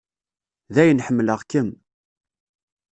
Dayen ḥemmleɣ-kem.